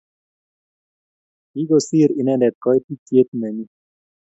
Kigosiir inendet koitityet nenyi